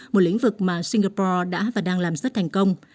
một lĩnh vực mà singapore đã và đang làm rất thành công